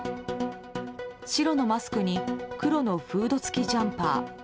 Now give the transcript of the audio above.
白のマスクに黒のフード付きジャンパー